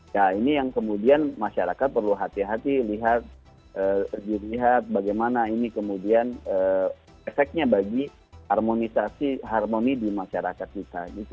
nah ini yang kemudian masyarakat perlu hati hati lihat bagaimana ini kemudian efeknya bagi harmonisasi harmoni di masyarakat kita